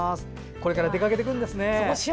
これから出かけていくんですね。